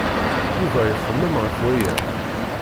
Yuba ixemmem ɣef waya.